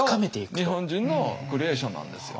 日本人のクリエーションなんですよ。